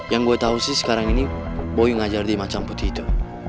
yang gue tau sih sekarang ini boyu ngajar dia macam putih itu